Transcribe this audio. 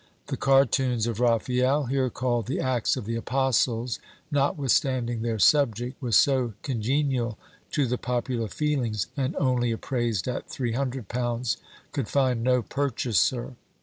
The Cartoons of Raphael, here called "The Acts of the Apostles," notwithstanding their subject was so congenial to the popular feelings, and only appraised at £300, could find no purchaser!